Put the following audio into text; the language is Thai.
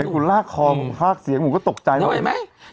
เห็นคุณลากคอหลากเสียงหนุ่มก็ตกใจน่าไหวไหมครับ